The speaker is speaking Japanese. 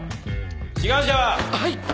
志願者は？